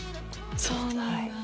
そうなんだ。